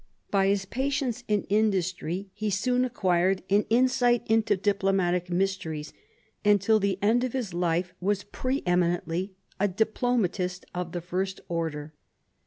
By his patience and industry he soon acquired an insight into diplomatic mysteries, and till the end of his life was pre eminently a diplomatist of the first order.